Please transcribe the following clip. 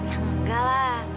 ya nggak lah